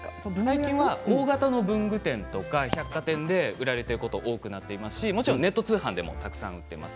最近は大型の文具店や百貨店で売られていることが多くなってきましたしもちろんネット通販でもたくさん売っています。